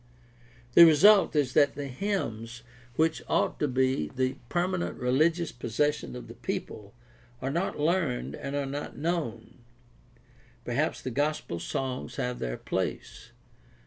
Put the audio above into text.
The result is that the hymns which ought to be the permanent religious possession of the people are not learned and are not known. Perhaps the gospel songs have their place.